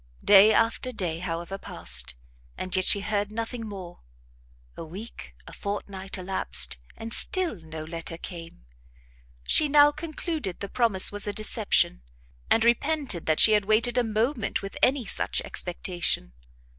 Day after day, however, passed, and yet she heard nothing more; a week, a fortnight elapsed, and still no letter came. She now concluded the promise was a deception, and repented that she had waited a moment with any such expectation.